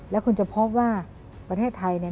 และคุณจะพบว่าประเทศไทย